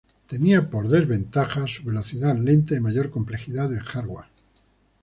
Tenía por desventaja su velocidad lenta y mayor complejidad del hardware.